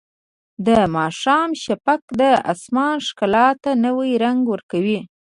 د ماښام شفق د اسمان ښکلا ته نوی رنګ ورکوي.